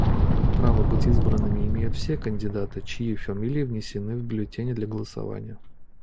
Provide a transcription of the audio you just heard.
Право быть избранными имеют все кандидаты, чьи фамилии внесены в бюллетени для голосования.